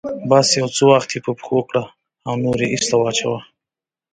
بس يو څه وخت يې په پښو کړه او نور يې ايسته واچوه.